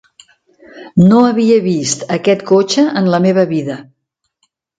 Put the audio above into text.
No havia vist aquest cotxe en la meva vida.